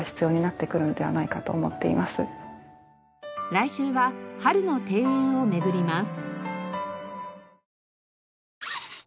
来週は春の庭園を巡ります。